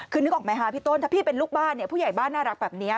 คือนึกออกไหมคะพี่ต้นถ้าพี่เป็นลูกบ้านเนี่ยผู้ใหญ่บ้านน่ารักแบบนี้